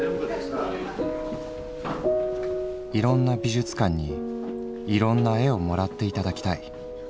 「いろんな美術館にいろんな絵を貰っていただきたい。